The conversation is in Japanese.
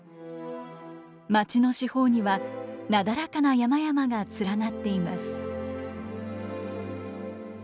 町の四方にはなだらかな山々が連なっています。